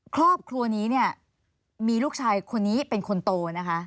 ครอบครัวนี้เนี่ยมีลูกชายคนนี้เป็นคนโตนะคะ